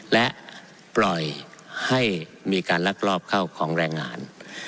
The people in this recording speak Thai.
และปล่อยให้มีการลักลอบเข้าของแรงงาน